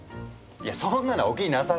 いやそんなのはお気になさらず。